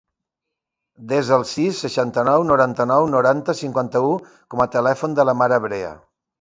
Desa el sis, seixanta-nou, noranta-nou, noranta, cinquanta-u com a telèfon de la Mara Brea.